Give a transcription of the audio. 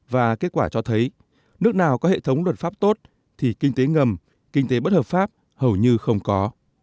và kết quả cho thấy nước nào có hệ thống luật pháp tốt thì kinh tế ngầm kinh tế bất hợp pháp hầu như không có